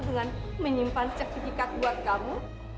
dengan menyimpan sertifikat buat kamu